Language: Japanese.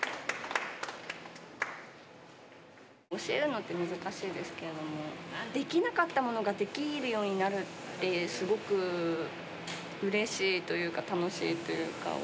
教えるのって難しいですけれどもできなかったものができるようになるってすごくうれしいというか楽しいというか。